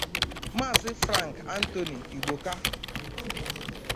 maazị Frank Anthony Igboka